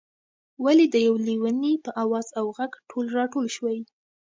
ولې د یو لېوني په آواز او غږ ټول راټول شوئ.